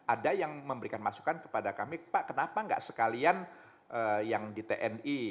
ada yang memberikan masukan kepada kami pak kenapa nggak sekalian yang di tni